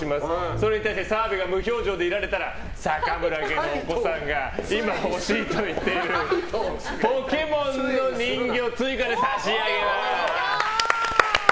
それに対して澤部が無表情でいられたら坂村家のお子さんが今欲しいと言っているポケモンの人形を追加で差し上げます。